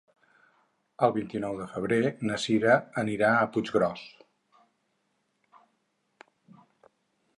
El vint-i-nou de febrer na Sira anirà a Puiggròs.